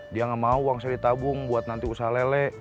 dia nggak mau uang saya ditabung buat nanti usaha lele